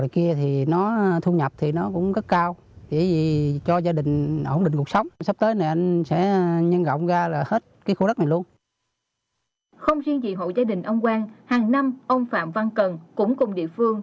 không riêng gì hộ gia đình ông quang hàng năm ông phạm văn cần cũng cùng địa phương